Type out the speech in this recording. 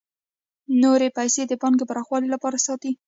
نورې پیسې د پانګې پراخوالي لپاره ساتي